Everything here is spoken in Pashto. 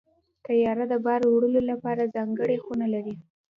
طیاره د بار وړلو لپاره ځانګړې خونې لري.